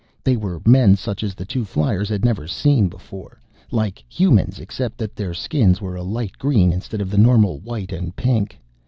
They were men such as the two fliers had never seen before, like humans except that their skins were a light green instead of the normal white and pink.